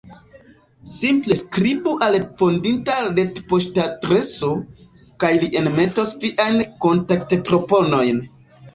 Simple skribu al la fondinta retpoŝtadreso, kaj li enmetos viajn kontaktproponojn.